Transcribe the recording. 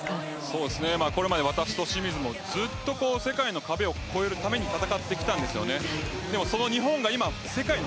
これまで私と清水も世界の壁を越えるために戦ってきたんですよね。